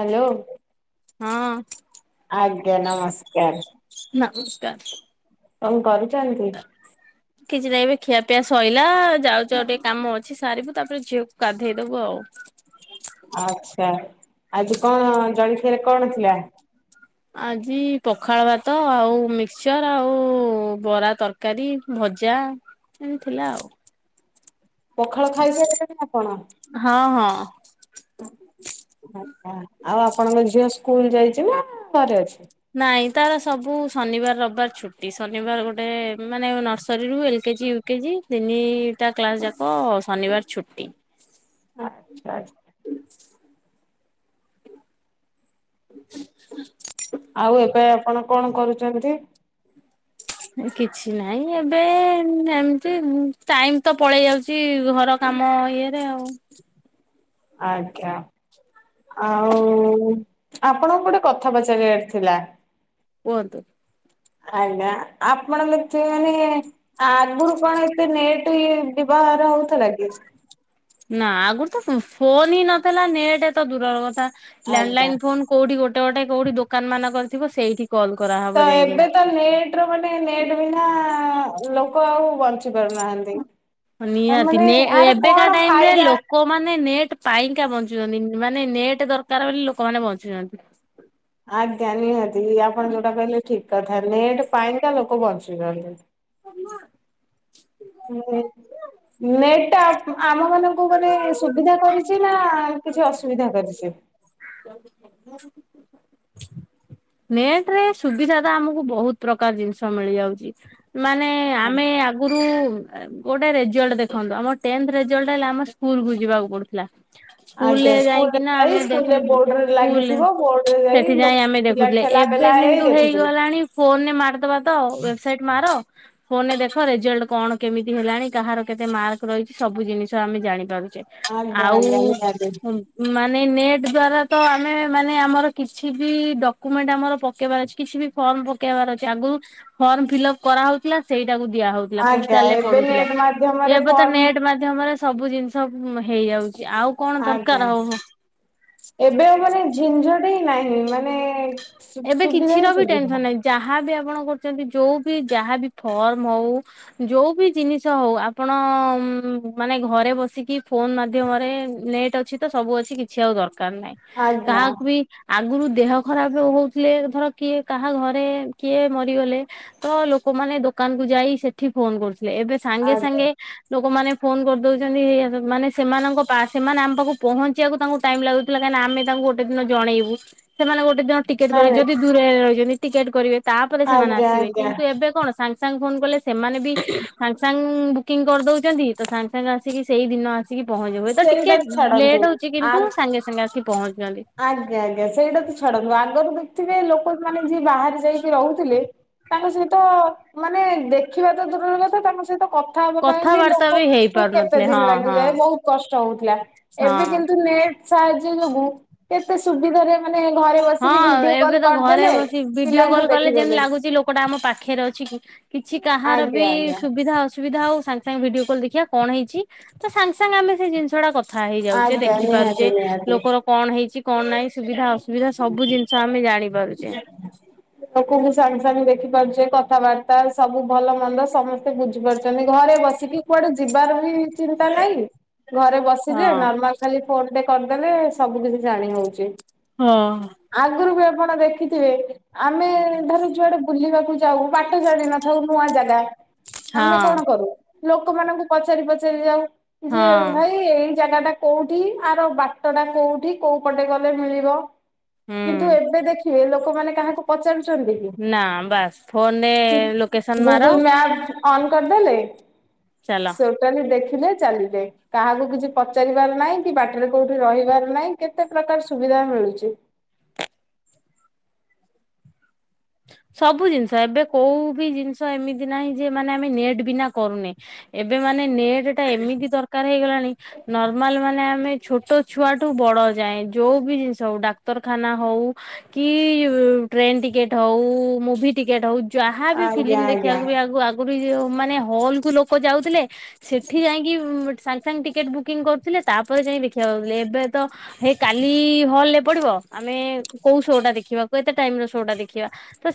Hello. ହଁ। ଆଜ୍ଞା ନମସ୍କାର ନମସ୍କାର। କଣ କରୁଚନ୍ତି? କିଛି ନାହିଁ ଏବେ ଖିଆ ପିଆ ସଇଲା। ଆଛ‌ ଆଜି ପଖାଳ ଭାତ ଆଉ ମ ଭଜା । ପଖାଳ ଖାଇସାରିଲେଣି ଆପଣ? ହଁ [inaudible] ଆ ଆଉ ଆପଣଙ୍କ ଝିଅ ସ୍କୁଲ ଯାଇଚି ନା ଘରେ ଅଛି? ନାଇଁ ତାର ସବୁ ଶନିବାର ରବିବାର ଛୁଟି ଶନିବାର ଗୋଟେ ମାନେ ନର୍ସରିରୁ ଏଲ କେ ଜି ଆଚ୍ଛା ଆଛା। ହୁଁ। [inaudible] ଆଉ ଏତେ କଣ କଣ କରୁଚନ୍ତି? କିଛି ନାହିଁ ଏବେ ଏମିତି ଟାଇମ୍ ତ ପଳେଇ ଯାଉଛି ଘର କାମ ଇଏରେ ଆଉ। ଆଜ୍ଞା। ଆଉ। କୁହନ୍ତୁ। ଆଜ୍ଞା ଆପଣ ମତେ ମାନେ ଆଗରୁ କଣ ଏତେ ନେଟ କର ହଉଥିଲା କି? ନା ଆଗରୁ ତ ଫୋନ ହିଁ ନଥିଲା ନେଟ ଏତ ଦୂରର କଥା। ଆଜ୍ଞା ଲ୍ୟାଣ୍ଡଲାଇନ ଫୋନ କୋଉଠି ଗୋଟେ ଗୋଟେ କୋଉଠି ଦୋକାନମାନଙ୍କ ରେ ଥିବ ସେଇଠି କଲ୍ ତ କରାହବ ଏବେ ଯାଇକିନା। ତ ନେଟ ର ମାନେ ନେଟ୍ ବିନା ଲୋ ଲୋକ ଆଉ ବଞ୍ଚି ପାରୁନାହାନ୍ତି। ନିହାତି ମାନେ ନେ ଆର ଏବେକା କଣ ଟାଇମରେ ଫାଇଦା? ଲୋକମାନୋନ ନେଟ୍ ପାଇଁ ବଞ୍ଚୁଛନ୍ତି ମାନେ ନେଟ୍ ଦରକାର ବୋଲି ଲୋକମାନେ ବଞ୍ଚୁଛନ୍ତି। ଆଜ୍ଞା ନିହାତି ଇପଣ ଯେଉଟା କହିଲ ଠିକ କଥା ନେଟ ପାଇଁ ତ ଲୋକ ବଞ୍ଚୁଛନ୍ତି। ନେଟ ଟା ଆମ ମାନ ଙ୍କୁ ମାନେ ସୁବିଧା କରିଛି ନା କିଛି ଅସୁବିଧା କରିଛି? ହଁ। ନେଟ ରେ ସୁବିଧା ତ ଆମକୁ ବହୁତ ପ୍ରକାର ଜିନିଷ ମିଳିଯାଉଛି। ମାନେ ଆମେ ଆଗରୁ ଗୋଟେ ରେଜଲ୍ଟ ଦେଖନ୍ତୁ ଆମ ରେଲ୍ଟ ହେଲେ ଆମ ସ୍କୁଲ କୁ ଯିବାକୁ ପଡୁଥିଲା। ଆଜ୍ଞା ସ୍କୁଲରେ ଯାଇକିନା ଯାଇ ଆମେ ଦେଖୁ ସ୍କୁଲରେ ବୋର୍ଡରେ ସ୍କୁଲ ଲାଗିଥିବ ବୋର୍ଡରେ ସେଠି ଯାଇ ଲୋକ ଆମେ ଦେଖୁ ପିଲା ଠେଲା ଏବେ ପେଲା ହେଇ କିନ୍ତୁ ହେଇଗ ଦେଖୁଥିଲେ। ଫୋନରେ ଦେଖ ରେଜଲ୍ଟ କଣ କେମିତି ହେଲାଣି କାହାର କେତେ ମାର୍କ ରହିଛି ସବୁ ଜିନିଷ ଆମେ ଜାଣିପାରୁ। ଆଜ୍ଞା ଆଉ ଆଜ୍ଞା ନିହାତି ମାନେ ମାନେ ନେଟ୍ ଦ୍ଵାରା ତ ଆମେ ମାନେ ଆମର କିଛି ବି ଡକୁମେଟ ଆମର ପକେଇବାର ଅଛି କିଛି ବି ଫର୍ମ ପକେଇବାର ଅଛି ଆଗରୁ ଫର୍ମ ଫିଲପ କରାହଉଥିଲା ସେଇ ତାକୁ ଦିଆହଉଥିଲା ଆଜ୍ଞା ପୋଷ୍ଟାଲ ରେ ଏବେ ପଡୁଥିଲା ନେଟ ମାଧ୍ୟମରେ ଏବେ ତ ଫର୍ମ ନେଟ ମାଧ୍ୟ୍ୟମରେ ସ ସବୁ ଜିନିଷ ହେଇଯାଉଛି ଆଉ କଣ ଦରକାର ଆଜ୍ଞା ହଉ ଏବେ ଆଉ ମାନେ ଝିଞ୍ଝଟବ ହିଁ ନାହିଁ ମାନେ ସୁ ଏବେ ସୁବିଧା ହିଁ କିଛିର ବି ସୁବିଧା। ଟେନସନ ନାହିଁ ଯାହାବି ଆପଣ ଗୋଟ ଚନ୍ତି ଯଉ ବି ଯାହାବ ଫର୍ମ ହଉ ଯୋଉ ବି ଜିନିଷ ହଉ ଆପଣ ଉମ ମାନେ ଘରେ ବସିକି ଫୋନ ମାଧ୍ୟମରେ ନେଟ୍ ଅଛି ତ ସବୁ ଅଛି କିଛି ଆଉ ଦରକାର କାର ନାହିଁ ଆଜ୍ଞା କାହାକୁ ବି ଆଗରୁ ଦେହ ଖରାପ ହଉ ଥିଲେ ଧର କିଏ କାହା ଘରେ କିଏ ମରିଗଲେ ତ ଲୋକମାନେ ଦୋକାନ କୁ ଯାଇ ସେଠି ଫୋନ କରୁ ଏବେ ସାଙ୍ଗେ ଆଜ୍ଞା ସାଙ୍ଗେ ଲୋକମାନେ ଫୋନ କରିଦଉଛନ୍ତି ଏ ମାନେ ସେମାନଙ୍କ ପା ସେମାନେ ଆମ ପାଖକୁ ପହଞ୍ଚିବାକୁ ତାଙ୍କୁ ଟାଇମ ଲାଗୁଥିଲା କାହିଁକିନା ଆମେ ତାଙ୍କୁ ଗୋଟେ ଦିନ ଜଣେଇବୁ ସେମାନେ ଗୋଟେ ଦିନ ଟିକେଟ୍ ନାଇଁ କରି ନାଇଁ ଯଦି ଦୂରରେ ରହିଛନ୍ତି ଟିକେଟ୍ କରିବେ ତାପରେ ସେମାନେ ଆଜ୍ଞା ଆସିବେ ଆଜ୍ଞା କିନ୍ତୁ ଏବେ କଣ ସାଙ୍ଗସଙ୍ଗ ଫୋନ୍ କଲେ ସେମାନେ ବି ସାଙ୍ଗ ସାଙ୍ଗ ବୁକିଂ କରିଦଉଛନ୍ତି ତ ସାଙ୍ଗ ସାଙ୍ଗ ଆସିକି ସେଇ ଦିନ ଆସିକି ପହଞ୍ଚିବ ହୁଏ ତ ଟିକେ ସେଇଟା ଛାଡନ୍ତୁ ଲେଟ୍ ହଉଛି ଆ କିନ୍ତୁ ସାଙ୍ଗେ ସାଙ୍ଗେ ଆସିକି ପହ ଆଜ୍ଞା ଆଜ୍ଞା ସେଇଟା ତୁ ଛାଡନ୍ତୁ ଆଗରୁ ବି ଥିବେ ଲୋକ ମାନେ ଯିଏ ବାହାରେ ଯାଇକି ରହୁଥିଲେ ତାଙ୍କ ସହିତ ମାନେ ଦେଖିବା ତ ଦୂରରକଥା ତାଙ୍କ ସହିତ କଥା ହବା ପାଇଁ ବି କଥାବାର୍ତ୍ତା ହେଇ ଲୋକଙ୍କୁ କେତେ ପାରୁନଥିଲେ ହଁ ଦିନ ହଁ ଲାଗିଯାଏ ବହୁତ କଷ୍ଟ ହଉଥିଲା ଏବେ ହଁ। କିନ୍ତୁ ନି ନେଟ ସାହାଯ୍ୟ ରେ ହୋଉ କେତେ ସୁବିଧାରେ ମନେ ହଁ ଏବେ ତ ଘରେ ବସି ଭିଡିଓ ପିଲାଙ୍କୁ କଲ୍ କଲେ ଯେମତି ଦେଖିଦେଲେ। ଲାଗୁଛି ଲୋକଟା ଆମ ପାଖରେ ଅଛି କି କିଛି କାହାର ବି ଆଜ୍ଞା ଆଜ୍ଞା ସୁବିଧା ଅସୁବିଧା ହଉ ସାଙ୍ଗେ ସାଙ୍ଗେ ଭିଡିଓ କ କଲୁ ଦେଖିବା କଣ ହେଇଛି ତ ସାଙ୍ଗ ସାଙ୍ଗେ ସାଙ୍ଗେ ଆମେ ସେ ଜିନିଷ ଟା କଥା ହେଇଯାଉଛେ ଆଜ୍ଞା ନିହାତି ଦେଖିପାରୁଛେ ନିହାତି। ଲୋକର କଣ ହେଇଛି କଣ ନାହିଁ ସୁବିଧା ଅସୁ ସୁବିଧା ସବୁ ଜିନିଷ ଆମେ ଜାଣିପାରୁଚେ। ଲୋକଙ୍କୁ ସାଙ୍ଗେ ସାଙ୍ଗେ ଦେଖି ପାରୁଛେ କଥାବାର୍ତ୍ତା ସବୁ ଭଲ ମନ୍ଦ ସମସ୍ତେ ବୁଝିପାରୁଛନ୍ତି ଘ ବସିକି କୁଆଡେ ଯିବାର ବି ଚିନ୍ତା ନାହିଁ ଘରେ ହଁ। ବସିଲେ ନର୍ମାଲ ଖାଲି ଫୋନ ଦେ କରିଦେଲେ ସବୁ କିଛି ଜାଣି ହଉଚି। ହଁ। ଆପଣ ଦେଖିଥିବେ ଆମେ ଧର ଯୁଆଡେ ବୁଲିବାକୁ ଜି ଯାଉ ବାଟ ଜାଣ ନଥାଉ ନୂଆ ଜାଗା ଆମେ ହଁ କଣ କରୁ ଲୋକମାନଙ୍କୁ ପଚାରି ପଚାରି ଯାଉ ଯେ ହଁ ଭାଇ ଏଇ ଜାଗା ଟା କୋଉଠି ଆର ବାଟ ଟା କୋଉଠି କୋଉ ପଟେ ଗଲେ ମିଳିବ କିନ୍ତୁ ହୁଁ। ଏବେ ଦେଖିବେ ଲୋକମାନେ କାହାକୁ ପଚାରୁ [unintelligible] ନା ବାସ୍ ଫୋନରେ ସେ ଲୋକେସନ ମାର ଗୁଗଲ ମ୍ୟାପ ଅନ୍ କରିଦେଲେ ଚାଲ। ସେଟୋଟା ଦେ ଥିଲେ ଚାଲିଲେ କାହାକୁ କିଛି ପଚାରିବାର ନାହିଁ କି ବାଟରେ କୋଉଠି ରହିବାର ନାହିଁ କେତେ ପ୍ରକାର ସୁବିଧା ଧା ମିଳୁଛି ହ ସବୁ ଜିନିଷ ଏବେ କୋଉ ବି ଜିନିଷ ଏମିତି ନାହିଁ ଯେ ମାନେ ଆମେ ନେଟ୍ ବିନା କରୁନେ ଏବେ ମନ ମାନେ ନେଟ୍ ଟା ଏମିତି ଦରକାର ହେଇଗଲାଣି ନି ନର୍ମାଲ ମାନେ ଆମେ ଛୋଟ ଛୁଆଠୁ ବଡ ଯାଏ ଯୋଉ ବି ଜିନିଷ ହଉ ଡାକ୍ତରଖାନା ହ ହଉ କି ଉ ଟ୍ରେନ୍ ଟିକେଟ ହଉ ମୁଭି ଟିକେଟ ହଉ ଯାହାବି ଫିଲ୍ମ ଆଜ୍ଞା ଆଜ୍ଞା ଦେଖିବାକୁ ବି ଆଗ ଆଗରୁ ଯଉ ମାନେ ହଲ କୁ ଲୋକ ଯାଉଥିଲେ ସେଠି ଯାଇକି ସାଙ୍ଗେ ସାଙ୍ଗେ ଟିକେଟ ବୁକିଂ କରୁଥିଲେ ତାପରେ ଯା ଦେଖିବାକୁଥିଲେ ଏବେ ତ ହେଇ କାଲି ହଲ ରେ ପଡିବ ଆମେ କୋଉ ସୋ ଟା ଦେଖିବା କ ଟାଇମ ରେ ସୋ ଟା ଦେଖିବା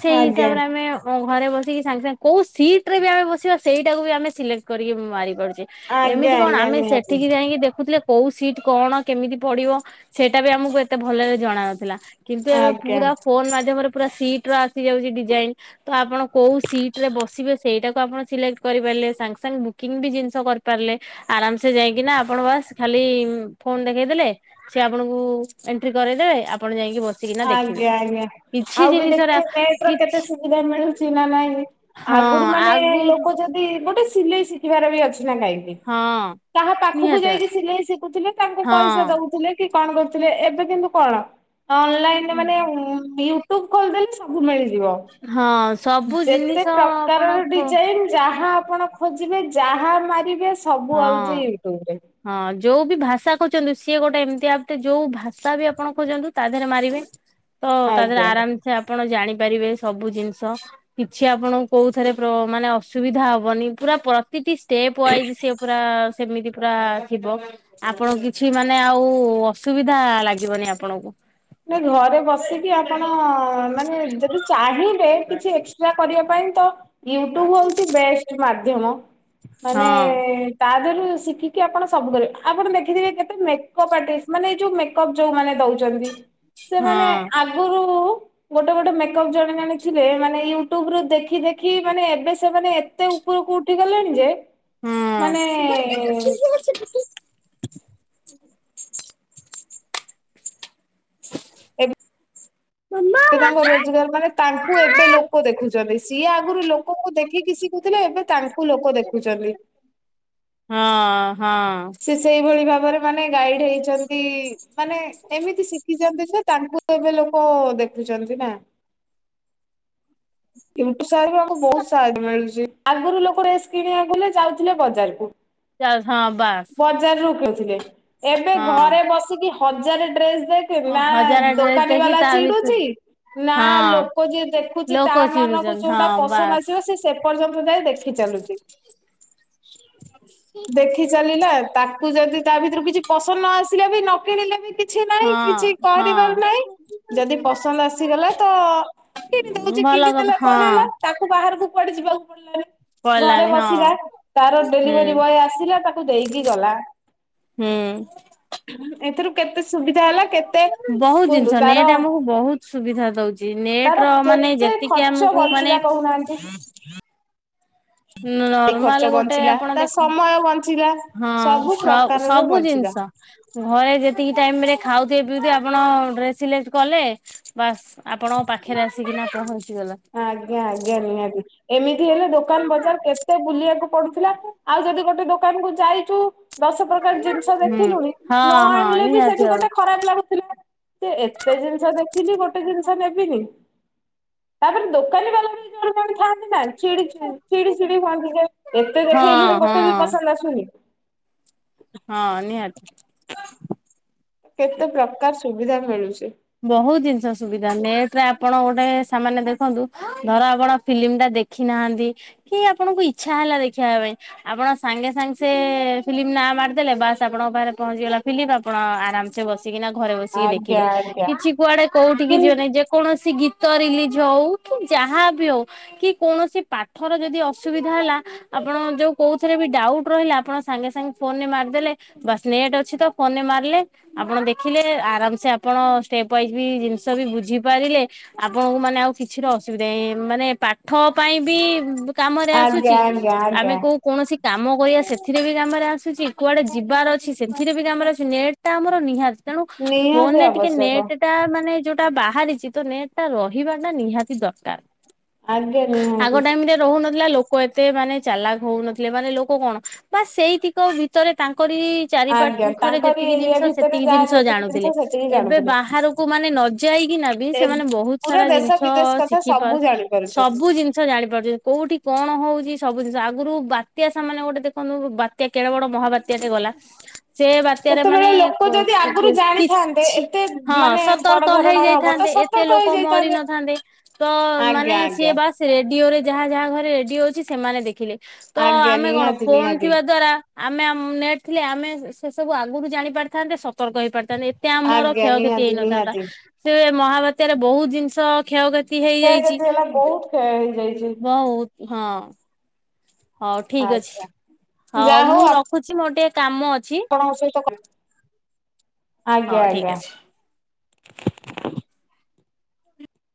ସେଇ ଆଜ୍ଞା ହିସାବରେ ଆମେ ଘରେ ବସି ସାଙ୍ଗେ ସାଙ୍ଗେ କୋଉ ସିଟ ରେ ବି ଆମେ ବସିବା ସେଇଟାକୁ ବି ଆମେ ସିଲେକ୍ଟ କରିକି ମାରି ପାରୁଚେ ଆଜ୍ଞା ଏମିତି କଣ ଆଜ୍ଞା ଆମେ ନିହାତି ସେଠିକି ଯାଇକି ଦେଖୁଥିଲେ କୋଉ ସିଟ କଣ କେମିତି ପଡିବ ସେଇଟା ବି ଆମକୁ ଏତେ ଭଲରେ ଜଣା ନଥିଲା। କିନ୍ତୁ ଏବେ ଆଜ୍ଞା ପୁରା ଫୋନ ମାଧ୍ୟମରେ ପୁରା ସିଟ ର ଆସି ଯାଉଛି ଡିଜାଇନ ତ ଆପଣ କୋଉ ସିଟ୍ ରେ ବସିବେ ସେଇଡାକୁ ଙ୍କୁ ଆପଣ ସିଲେକ୍ଟ କରିପାରିଲେ ସାଙ୍ଗ ସାଙ୍ଗ ବୁକିଙ୍ଗବି ଜିନ୍ସ କରିପାରିଲେ ଆରାମ୍ ସେ ଯାଇକିନା ଆପଣ ବାସ୍ ଖାଲି ବି ଫୋନ ଦେଖେଇ ଦେଲେ ସେ ଆପଣଙ୍କୁ ଏଣ୍ଟ୍ରି କରଦେବେ ଆପଣ ଯାଇ କି ବସିକିନା ଦେଖିବେ। ଆଜ୍ଞା ଆଜ୍ଞା ଆଉ ବି ଜିନିଷରେ ଦେଖିବେ ନେଟ ର କିଛି କେତେ ସୁବିଧା ମିଳୁଚି ନା ନାଇଁ। ହଁ ଆଗରୁ ମାନେ ଆଗରୁ ଲୋକୋ ଯଦି ଗୋଟେ ସିଲେଇ ଶିଖିବାର ବି ଅଛି। ନାଇଁ କି ହଁ କାହା ପାଖକୁ ନିହାତି ଯାଇକି ଭାବେ ସିଲେଇ ଶିଖୁଥିଲେ ତାଙ୍କୁ ହଁ ପଇସା ଦଉଥିଲେ କି କଁ କରୁଥିଲେ ଏବେ କିନ୍ତୁ କଣ ଅନଲାଇନରେ ମାନେ ୟୁଟ୍ୟୁବ୍ ଖୋଲିଦେଲେ ସବୁ ମିଳି ଥିବ ହଁ ସବୁ ଯେତେ ଜିନିଷ ଆପଣ ପ୍ରକାରର ଖୋ ଡିଜାଇନ ଯାହା ଆପଣ ଖୋଜିବେ ଯାହା ମାରିବେ ସବୁ ହଁ ଆଉଛି ୟୁଟ୍ୟୁବରେ ହଁ ଯୋଉ ବି ଭାଷା ଖୋଜୋନ୍ତୁ ସିଏ ଗୋଟେ ଏମିତି ଆପ୍ ଟେ ଯୋଉ ଭାଷା ବି ଆପଣ ଖୋଯୋନ୍ତୁ ତା ଦେହରେ ମାରିବେ ତ ତା ଦେହରେ ଆଜ୍ଞା। ଆରାମ ସେ ଆପଣ ଜାଣି ପାରିବେ ସବୁ ଜିନିଷ କିଛି ଆପଣଙ୍କୁ କୋଉ ଥରେ ପ୍ରୋ ମାନେ ଅସୁବିଧା ହବନି ପୁରା ପ୍ର ପ୍ରତିଟି ଷ୍ଟେପ୍ୱାଇଜ୍ ସିଏ ପୁରା ସେମିତି ପୁରା ଥିବ ଆପଣ କିଛି ମାନେ ଆଉ ଅସୁବିଧା ଲାଗିବନି। ନା ଆପଣଙ୍କୁ ନାଇଁ ଘରେ ବସିକି ଆପଣ ମାନେ ଯଦି ଚାହିଁବେ କିଛି ଏକ୍ସଟ୍ରା କରିବା ପାଇଁ ତ ୟୁଟ୍ୟୁବ ହୋଉଛି ବେଷ୍ଟ ମାଧ୍ୟମ ମାନେ ହଁ ତା ଦେହରୁ ଶିଖିକି ଆପଣ ସବୁ କରିବେ ଆପଣ ଦେଖିଥିବେ କେତେ ମେକପ୍ ଆଟିଷ୍ଟି ମାନେ ଏଇ ଯୋଉ ମେକପ୍ ଯୋଉ ମାନେ ଦଉଚନ୍ତି। ହଁ ସେମାନେ ଆଗୁରୁ ଗୋଟେ ଗୋଟେ ମେକପ୍ ଜଣେ ଜଣେ ଥିଲେ ମାନେ ୟୁଟ୍ୟୁବ ରୁ ଦେଖି ଦେଖି ମାନେ ଏବେ ସେମାନେ ଏତେ ଉ ଉପୁରୁକୁ ଉଠିଗଲେଣି ଯେ ହଁ ମାନେ ଏବେ ତାଙ୍କ ରୋଜଗାର ମାନେ ତାଙ୍କୁ ଏବେ ଲୋକ ଦେଖୁଛ ଚନ୍ତି ସିଏ ଆଗରୁ ଲୋକଙ୍କୁ ଦେଖିକି ଶିଖୁଥିଲେ ଏବେ ତା ସବୁ ଲୋକୋ ଦେଖୁଚନ୍ତି। ହଁ ହଁ। ସେ ସେଇଭଳି ଭାବରେ ମାନେ ଗାଇଡ ହେଇଛନ୍ତି ମାନେ ଏମିତି ଶିଖିଛନ୍ତି। ତାଙ୍କୁ ଏବେ ଲୋକ ଦେଖୁଛନ୍ତି ନା କିନ୍ତୁ ସାର୍ ବି ଆମକୁ ବହୁତ ସାହାଯ୍ୟ ମିଳୁଛି ଆଗରୁ ଲୋକ ଡ୍ରେସ୍ କିଣିବାକୁ ଯାଉଥିଲେ ବଜାରକୁ। [unintelligible] ବଜାରରୁ କିଣୁଥିଲେ ଏବେ ଘରେ ହଁ ବସିକି ହଜାରେ ଡ୍ରେସ ଦେଖିନି ନା ହଜାର ଡ୍ରେସ୍ ଦୋକାନୀ ଦେଖି ବାଲା ତା ଭିତରେ ଚିଡୁଚି। ନା ହଁ। ଲୋକ ଯିଏ ଦେଖୁଚି। ତା ଲୋକ ମନକୁ ଚିଡୁଛନ୍ତି ଯୋଉଟା ହଁ ପସନ୍ଦ ବାସ୍ ଆସିବ ସିଏ ସେ ପର୍ଯ୍ୟନ୍ତ ଯାଏ ଦେଖିଛି। ଚାଲୁଚି। ଦେଖି ଚାଲିଲା। ତାକୁ ଯଦି ତା ଭିତରୁ କିଛି ପସନ୍ଦ ନ ଆସିଲା ବି ନ କିଣିଲେ ବି କି କିଛି ହଁ ନାଇଁ କିଛି ହଁ କରିବାର ନାଇଁ। ଯଦି ପସନ୍ଦ ଆସିଗଲା ତ କିଣି ଦଉଚି ଭଲ କଥା କିଣିଦେଲେ କଣ ହଁ ହେଲା ତାକୁ ବାହାରକୁ କୁଆଡ଼େ ଯିବାକୁ ପଡିଲାନି ଘରେ ପଇଲାନି ହଁ ବସିଲା ତାର ହୁଁ ଡେଲିଭରି ବଏ ଆସିଲା ତାକୁ ଦେଇ କି ଗଲା। ହୁଁ। ଏଥିରୁ କେତେ ସୁବିଧା ହେଲା କେତେ ବହୁତ କୁହନ୍ତୁ ଜିନିଷ ତାର ନେଟ୍ ଆମକୁ ବହୁତ ସୁବିଧା ଦଉଚି ନେଟ ର ମାନେ ଯେତିକି ଆମକୁ ମାନେ କୋହୁନାହାନ୍ତି। ନର୍ମାଲ ଗୋଟେ ଆପଣ ତା ଦେଖ ସମୟ ବଞ୍ଚିଲା ହଁ ସବୁ ସ ପ୍ରକାରର ସବୁ ବଞ୍ଚିଲା। ଜିନିଷ। ଘରେ ଯେତିକି ଟାଇମ ରେ ଖାଉଥିବେ ପିଉଥିବେ ଆପଣ ଡ୍ରେସ ସିଲେକ୍ଟ କଲେ ବାସ୍ ଆପଣଙ୍କ ପାଖରେ ଆସିକିନା ପହଞ୍ଚି। ଆଜ୍ଞା ଆଜ୍ଞା ନିହାତି ଏମିତି ତି ହେଲେ ଦୋକାନ ବଜାର କେତେ ବୁଲିବାକୁ ପଡୁଥିଲା ଆଉ ଯଦି ଗୋଟେ ଦୋକାନ କୁ ଯାଇଚୁ ଦଶ ପ୍ରକାର ଜିନିଷ ହୁଁ ଦେଖିଲୁଣି ହଁ ନ ହଁ ଆଣିଲେ ବି ନିହାତି ସେଠି ଭାବରେ ଗୋଟେ ଖରାପ ଲାଗୁଥିଲା ସେ ଏତେ ଜିନିଷ ଦେଖିଲି ଗୋଟେ ଜିନିଷ ନେବିନି ତାପରେ ଦୋକାନୀ ବାଲା ବି ଜଣେ କଣ ଥାଆନ୍ତି ନା ଚିଡି ଚିଡି ଚିଡି ଚିଡି ହୁଅନ୍ତି ଏତେ ହଁ ଦେଖେଇଲୁଣି ଗୋଟେ ବି ହଁ ପସନ୍ଦ ଆସୁନି। ହଁ ନିହାତି କେତେ ପ୍ରକାର ସୁବିଧା ମିଳୁଛି। ବହୁତ ଜିନିଷ ସୁବିଧା ନେଟ ରେ ଆପଣ ଗୋଟେ ସାମାନେ ଦେଖନ୍ତୁ ଧର ଆପଣ ଫିଲ୍ମ ଟା ଦେଖି ନାହାନ୍ତି କି ଆପଣଙ୍କୁ ଇଛା ହେଲା ଦେଖିବା ପାଇଁ ଆପଣ ସାଙ୍ଗେ ସାଙ୍ଗେ ସେ ଫିଲ୍ମ ନାଁ ମାରିଦେଲେ ବାସ୍ ଆପଣଙ୍କ ପାଖରେ ପହଞ୍ଚିଗଲା ଫିଲିମ୍ ଆପଣ ଆରାମସ ବସିକିନା ଘରେ ବସିକି ଆଜ୍ଞା ଦେଖିଲେ ଆଜ୍ଞା କିଛି କୁଆଡେ କୋଉଠିକି କିନ୍ ଯିବେ ନାହିଁ ଯେକୌଣସି ଗୀତ ଗ ରିଲିଜ ହଉ କି ଯାହା ବି ହଉ କି କୌଣସି ପାଠର ଯଦି ଅସୁବିଧା ହେଲା ଆପଣ ଯୋଉ କୋଉଥିରେ ବି ଡାଉଟ୍ ରହିଲା ଆପଣ ସାଙ୍ଗେ ସାଙ୍ଗେ ଫୋନରେ ମାରିଦଲେ ବାସ୍ ନେଟ୍ ଅଛି ତ ଫୋନରେ ଆପଣ ଦେଖିଲେ ଆରାମସ ଆପଣ ଷ୍ଟେପ ୱାଇଯ ବି ଜିନିଷ ବି ବୁଝି ପାରିଲେ ଆପଣଙ୍କୁ ମାନେ ଆଉ କିଛିର ଅସୁବିଧା ନା ମାନେ ପାଠ ପାଇଁ ବି କାମରେ ଆଜ୍ଞା ଆସୁଛି ଆଜ୍ଞା ଆମେ ଆଜ୍ଞା କୋଉ କୌଣସି କାମ କରିବାହ ସେଥିରେ ବି କାମରେ ଆସୁଛି କୁଆଡେ ଯିବାର ଅଛି ସେଥିରେ ବି କାମରେ ଆସୁଛି ନେଟ୍ ଟା ଆମର ନିହାତି ତେଣୁ ଫୋନ ନିହାତି ରେ ଟିକେ ଆବଶ୍ୟକ। ନେଟ୍ ଟା ମାନେ ଯୋଉଟା ବାହାରିଛି ତ ନେଟ୍ ଟା ରହିବା ଟା ନିହାତି ଦରକାର। ଆଜ୍ଞ ନିହାତି। ଥିଲା ଲୋକ ଏତେ ମାନେ ଚାଲାକ ହଉନଥିଲେ ମାନେ ଲୋକ କଣ ବା ସେଇଠିକ ଭିତରେ ତାଙ୍କ କରି ଚାରି ଆଜ୍ଞା ପାଟଖରେ ତାଙ୍କରି ଯେତିକି ଏରିଆ ଜିନିଷ ଭିତରେ ସେତିକି ଯାହା ଜିନିଷ ଯେତିକି ଜାଣୁଥିଲେ ଜିନିଷ ସେତିକି ଏବେ ଜାଣୁଥିଲେ। ବା ମାନେ ନ ଯାଇକି ନ ବି ଏ ସେମାନେ ବହୁତ ପୁରା ସାରା ଦେଶ ଜିନିଷ ବିଦେଶ କଥା ଶିଖି ସବୁ ଜାଣି ପାରୁଛନ୍ତି। ସବୁ ଜିନିଷ ଜାଣିପାରଛନ୍ତି କୋଉଠି କଣ ହ ହଉଛି ସବୁ ଜିନିଷ ଆଗରୁ ବାତ୍ୟା ସେମାନେ ଗୋଟେ ଦେଖନ୍ତୁ ବାତ୍ୟା କେଡେ ବଡ ମହାବାତ୍ୟା ଟେ ଗଲା ସେ ବାତ୍ୟାରେ ମାନେ ସେତେବେଳେ କ ଲୋକ ଯଦି କି ଆଗରୁ ସେ ଜାଣିଥାନ୍ତେ କିଛି ଏତେ ହଁ ମାନେ ବଡ ସତର୍କ ଧରଣର ହବ ତ ହେଇଯାଇଥାନ୍ତେ ଏତେ ସତର୍କ ଲୋକ ମରି ହେଇଯାଇଥାନ୍ତେ। ନଥାନ୍ତେ ତ ମାନେ ଆଜ୍ଞା ସିଏ ଆଜ୍ଞା। ବାସ ରେ ରେଡିଓରେ ଯାହା ଯାହା ଘରେ ରେଡିଓ ଅଛି ସେମାନେ ଦେଖିଲେ। ତ ଆଜ୍ଞା ଆମେ କଣ ନିହାତି ଫୋନ ନିହାତି ଥିବା ଦ୍ଵାରା ଆମେ ନେଟ ଥିଲେ ଆମେ ସେ ସବୁ ଆଗରୁ ଜାଣି ପାରିଥାନ୍ତେ ସତର୍କ ହେଇ ପାରିଥାନ୍ତେ ଏତେ ଆମର ଆଜ୍ଞା କ୍ଷୟକ୍ଷତି ନିହାତି ହେଇନଥାନ୍ତା ନିହାତି। ସେ ମହା ବାତ୍ୟାରେ ବହୁତ ଜିନିଷ କ୍ଷୟକ୍ଷତି କ୍ଷୟ ହେଇଯାଇଛି କ୍ଷତି ହେଲା ବହୁତ କ୍ଷୟ ହେଇଯାଇଛି। ବହୁତ ହଁ ହଉ ଠିକ ଆଜ୍ଞା ଅଛି ହଉ ମୁଁ ରଖୁଛି ମୋର ଟିକେ କାମ ଅଛି। ଆପଣଙ୍କ ସହିତ କଥା ଆଜ୍ଞା ହଉ ଠିକ ଆଜ୍ଞା। ଅଛି।